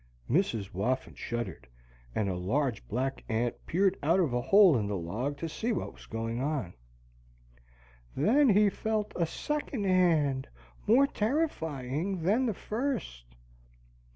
Mrs. Whoffin shuddered, and a large black ant peered out of a hole in the log to see what was going on. "Then he felt a second hand more terrifying than the first."